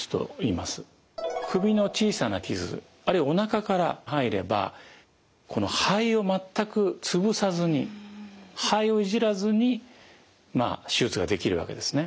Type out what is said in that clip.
首の小さな傷あるいはおなかから入ればこの肺を全く潰さずに肺をいじらずに手術ができるわけですね。